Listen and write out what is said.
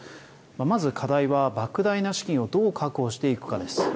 まず課題は、ばく大な資金をどう確保していくかです。